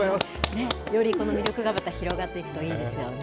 よりこの魅力が広がっていくといいですよね。